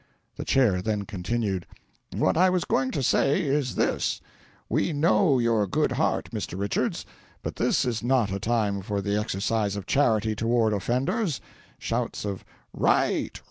The Chair then continued: "What I was going to say is this: We know your good heart, Mr. Richards, but this is not a time for the exercise of charity toward offenders. (Shouts of "Right!